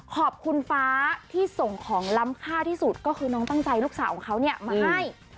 ฟ้าที่ส่งของล้ำค่าที่สุดก็คือน้องตั้งใจลูกสาวของเขาเนี่ยมาให้